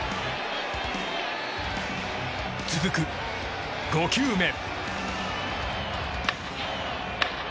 続く５球目。